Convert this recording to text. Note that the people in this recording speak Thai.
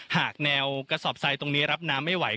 หากแนวกระสอบทรายตรงนี้รับน้ำไม่ไหว